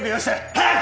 早く！